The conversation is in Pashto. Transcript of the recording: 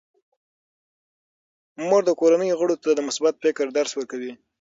مور د کورنۍ غړو ته د مثبت فکر درس ورکوي.